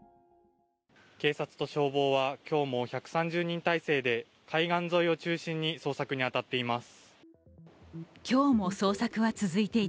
警察と消防は今日も１３０人態勢で海岸沿いを中心に捜索に当たっています。